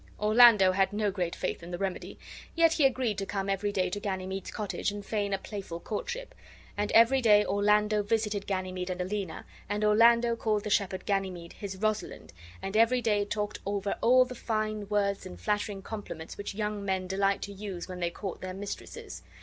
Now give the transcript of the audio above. Orlando had no great faith in the remedy, yet he agreed to come every day to Ganymede's cottage and feign a playful courtship; and every day Orlando visited Ganymede and Aliena, and Orlando called the shepherd Ganymede his Rosalind, and every day talked over all the fine words and flattering compliments which young men delight to use when they court their mistresses.